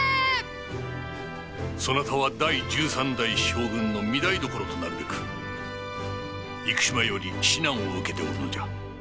そなたは第１３代将軍の御台所となるべく幾島より指南を受けておるのじゃ。